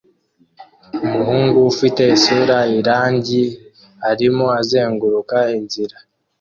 Umuhungu ufite isura irangi arimo azenguruka inzira